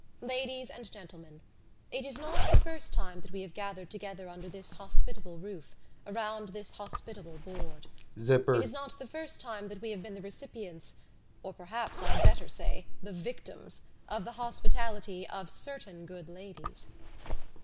"Ladies and Gentlemen, it is not the first time that we have gathered together under this hospitable roof, around this hospitable board. It is not the first time that we have been the recipients—or perhaps, I had better say, the victims—of the hospitality of certain good ladies."